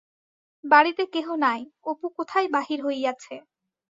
বাড়িতে কেহ নাই, অপু কোথায় বাহির হইয়াছে।